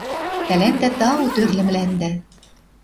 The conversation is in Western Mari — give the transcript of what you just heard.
Тӓлӓндӓ тау тӧрлӹмлӓндӓ